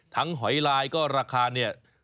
หอยลายก็ราคาเนี่ย